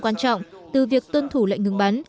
quan trọng từ việc tuân thủ lệnh ngừng bắn